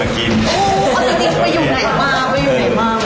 เอาจริงไปอยู่ไหนบ้าง